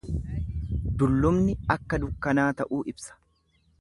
Dullumni akka dukkanaa ta'uu ibsa.